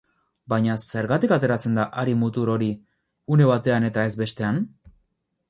Baina, zergatik ateratzen da hari-mutur hori une batean eta ez beste batean?